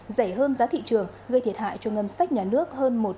giải hơn giá thị trường gây thiệt hại cho ngân sách nhà nước